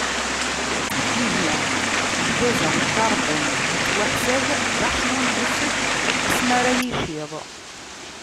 Ihi, lgaz-a n ukarbun, yettwaḥsab d axnunnes asmi ara yiciḍ.